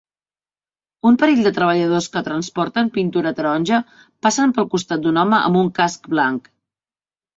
Un parell de treballadors que transporten pintura taronja passen pel costat d'un home amb un casc blanc.